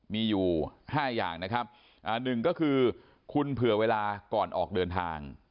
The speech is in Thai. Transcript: มีอยู่๕อย่างนะครับหนึ่งก็คือคุณเผื่อเวลาก่อนออกเดินทาง